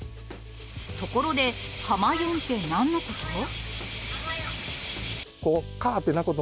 ところで、はまよんってなんのこと？